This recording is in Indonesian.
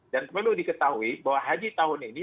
dan perlu diketahui bahwa haji tahun ini